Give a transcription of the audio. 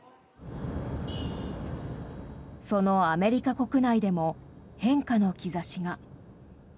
そのアメリカ国内でも変化の兆しが。